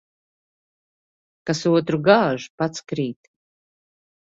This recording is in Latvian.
Kas otru gāž, pats krīt.